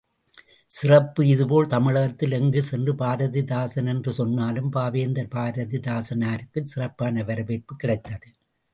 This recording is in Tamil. சிறப்பு இதேபோல், தமிழகத்தில் எங்கே சென்று பாரதிதாசன் என்று சொன்னாலும், பாவேந்தர் பாரதிதாசனாருக்குச் சிறப்பான வரவேற்பு கிடைத்தது.